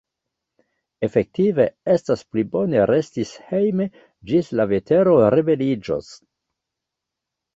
Efektive, estas pli bone resti hejme, ĝis la vetero rebeliĝos.